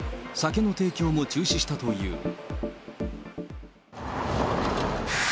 酒の提供も中止したという。